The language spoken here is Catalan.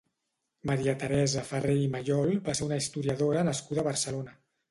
Maria Teresa Ferrer i Mallol va ser una historiadora nascuda a Barcelona.